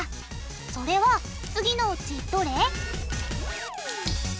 それは次のうちどれ？